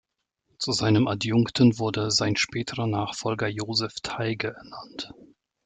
Zu seinem Adjunkten wurde sein späterer Nachfolger Josef Teige ernannt.